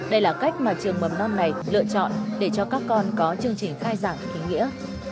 đây là cách mà trường mầm non này lựa chọn để cho các con có chương trình khai giảng ý nghĩa